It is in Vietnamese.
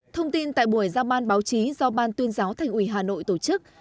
thông tin tại buổi giao ban báo chí do ban tuyên giáo thành ủy hà nội tổ chức